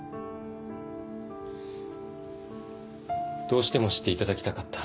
どうしても知っていただきたかった。